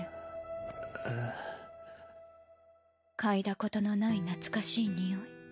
嗅いだことのない懐かしい匂い。